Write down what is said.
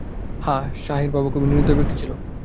হ্যাঁ, শাহের বাবা খুবই নির্দয় ব্যক্তি ছিল।